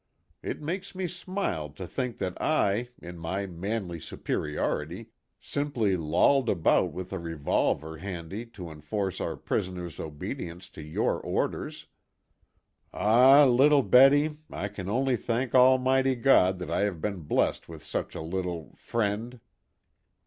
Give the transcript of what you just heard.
It makes me smile to think that I, in my manly superiority, simply lolled about with a revolver handy to enforce our prisoner's obedience to your orders. Ah, little Betty, I can only thank Almighty God that I have been blest with such a little friend."